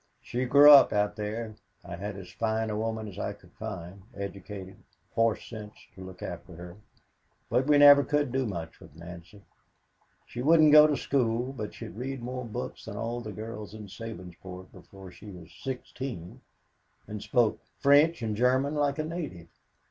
"She grew up out there. I had as fine a woman as I could find educated horse sense to look after her, but we never could do much with Nancy. She wouldn't go to school but she'd read more books than all the girls in Sabinsport before she was sixteen and spoke French and German like a native.